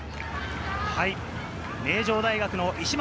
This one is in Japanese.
名城大学の石松